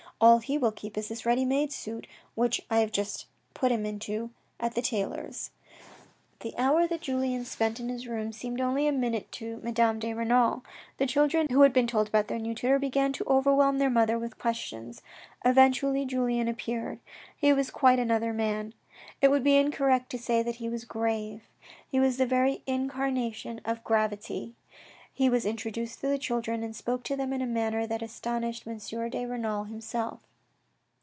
All he will keep is the ready made suit which I have just put him into at the the tailor's." ENNUI 33 The hour that Julien spent in his room seemed only a minute to Madame de Renal. The children who had been told about their new tutor began to overwhelm their mother with questions. Eventually Julien appeared. He was quite another man. It would be incorrect to say that he was grave — he was the very incarnation of gravity. He was introduced to the children and spoke to them in a manner that astonished M. de Renal himself.